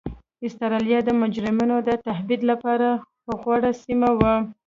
اسټرالیا د مجرمینو د تبعید لپاره غوره سیمه وه.